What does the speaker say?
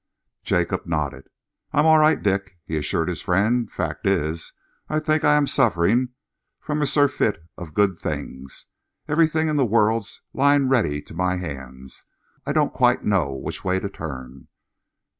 Jacob nodded. "I'm all right, Dick," he assured his friend. "Fact is, I think I am suffering from a surfeit of good things. Everything in the world's lying ready to my hands, and I don't quite know which way to turn."